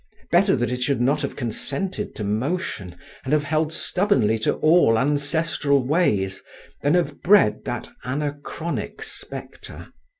Better that it should not have consented to motion, and have held stubbornly to all ancestral ways, than have bred that anachronic spectre.